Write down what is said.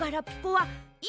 はい。